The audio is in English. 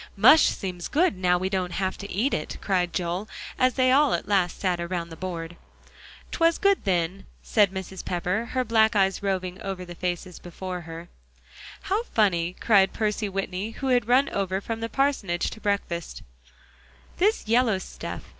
"Mush seems good now we don't have to eat it," cried Joel, as they all at last sat around the board. "'Twas good then," said Mrs. Pepper, her black eyes roving over the faces before her. "How funny," cried Percy Whitney, who had run over from the parsonage to breakfast, "this yellow stuff is."